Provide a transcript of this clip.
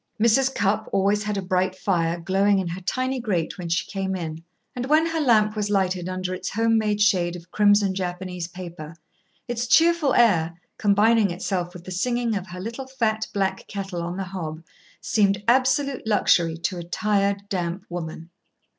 Mrs. Cupp always had a bright fire glowing in her tiny grate when she came in, and when her lamp was lighted under its home made shade of crimson Japanese paper, its cheerful air, combining itself with the singing of her little, fat, black kettle on the hob, seemed absolute luxury to a tired, damp woman.